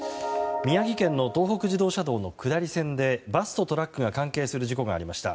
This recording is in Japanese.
宮城県の東北自動車道の下り線でバスとトラックが関係する事故がありました。